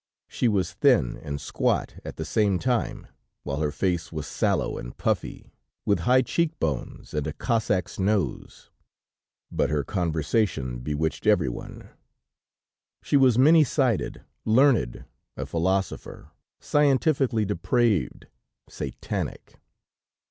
She was thin and squat, at the same time, while her face was sallow and puffy, with high cheek bones and a Cossack's nose. But her conversation bewitched every one. "She was many sided, learned, a philosopher, scientifically depraved, satanic.